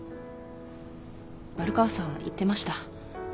丸川さん言ってました。